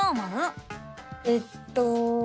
えっと。